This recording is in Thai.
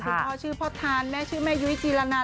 พ่อชื่อพ่อทานแม่ชื่อแม่ยุ้ยจีรนา